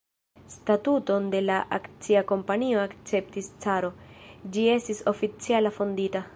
Statuton de la akcia kompanio akceptis caro; ĝi estis oficiala fondita.